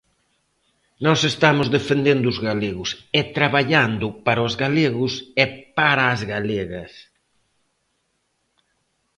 Nós estamos defendendo os galegos e traballando para os galegos e para as galegas.